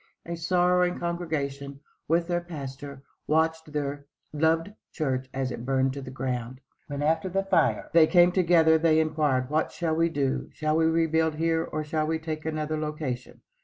A sorrowing congregation, with their pastor, watched their loved church as it burned to the ground. When, after the fire, they came together, they inquired, "What shall we do? Shall we rebuild here or shall we take another location?"